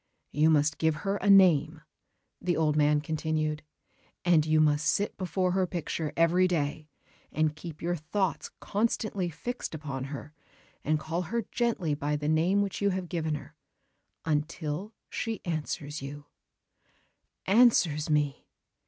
"You must give her a name," the old man continued; "and you must sit before her picture every day, and keep your thoughts constantly fixed upon her, and call her gently by the name which you have given her, until she answers you...." "Answers me!"